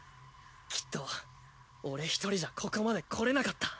きっと俺一人じゃここまで来れなかった。